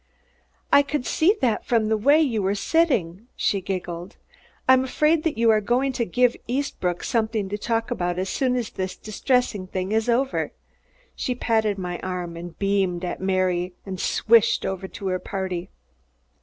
"I could see that from the way you were sitting," she giggled. "I'm afraid that you're going to give Eastbrook something to talk about as soon as this distressing thing is over." She patted my arm, beamed at Mary and swished over to her party.